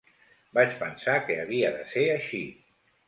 Vaig pensar que havia de ser així.